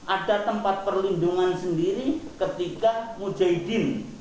ada tempat perlindungan sendiri ketika mujahidin